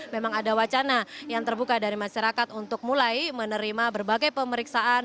memang ada wacana yang terbuka dari masyarakat untuk mulai menerima berbagai pemeriksaan